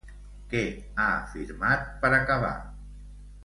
Què ha afirmat, per acabar?